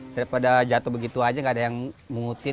daripada jatuh begitu aja gak ada yang mengutin